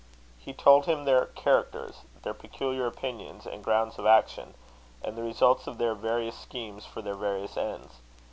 He told him their characters, their peculiar opinions and grounds of action, and the results of their various schemes for their various ends.